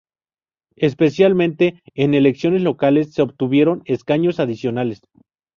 Especialmente en elecciones locales se obtuvieron escaños adicionales.